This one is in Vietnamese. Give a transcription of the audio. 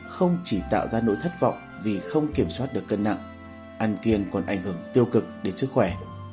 không chỉ tạo ra nỗi thất vọng vì không kiểm soát được cân nặng ăn kiêng còn ảnh hưởng tiêu cực đến sức khỏe